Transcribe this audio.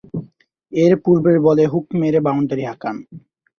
এর পূর্বের বলে হুক মেরে বাউন্ডারি হাঁকান।